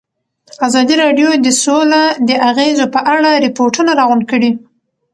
ازادي راډیو د سوله د اغېزو په اړه ریپوټونه راغونډ کړي.